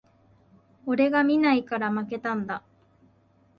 俺が見ないから負けたんだ